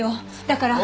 だから。